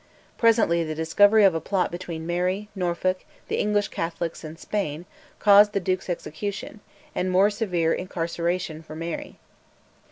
Presently the discovery of a plot between Mary, Norfolk, the English Catholics, and Spain, caused the Duke's execution, and more severe incarceration for Mary.